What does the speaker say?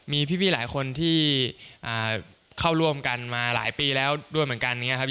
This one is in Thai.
มีพี่หลายคนที่เข้าร่วมกันมาหลายปีแล้วด้วยเหมือนกัน